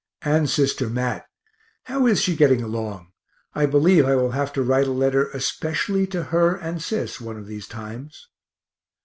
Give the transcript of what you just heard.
And sister Mat, how is she getting along I believe I will have to write a letter especially to her and Sis one of these times.